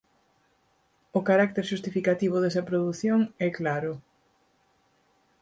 O carácter xustificativo desa produción é claro.